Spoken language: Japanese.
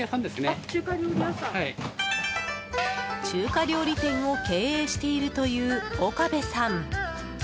中華料理店を経営しているという岡部さん。